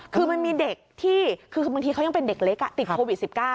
คือมันมีเด็กที่คือบางทีเขายังเป็นเด็กเล็กติดโควิด๑๙